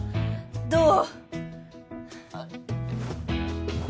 どう？